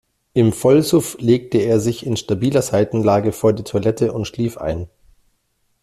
Im Vollsuff legte er sich in stabiler Seitenlage vor die Toilette und schlief ein.